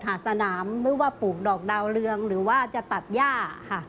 สนามไม่ว่าปลูกดอกดาวเรืองหรือว่าจะตัดย่าค่ะ